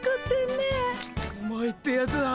お前ってやつは。